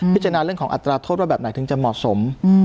จานเรื่องของอัตราโทษว่าแบบไหนถึงจะเหมาะสม